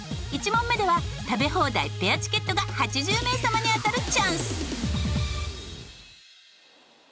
１問目では食べ放題ペアチケットが８０名様に当たるチャンス。